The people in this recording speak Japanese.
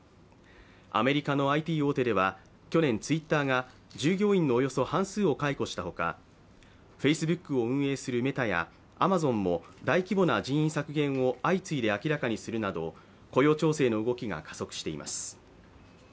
アメリカのＩＴ大手では去年、Ｔｗｉｔｔｅｒが従業員のおよそ半数を解雇したほか、Ｆａｃｅｂｏｏｋを運営するメタやアマゾンも大規模な人員削減を相次いで明らかにするなど、雇用調整の動きが加速しています。